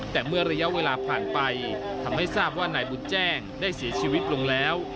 แต่เมื่อระยะเวลาผ่านไปทำให้ทราบว่านายบุญแจ้งได้เสียชีวิตลงแล้ว